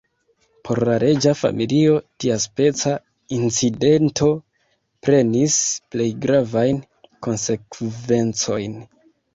Por la reĝa familio, tiaspeca incidento prenis plej gravajn konsekvencojn.